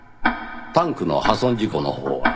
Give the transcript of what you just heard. タンクの破損事故のほうは？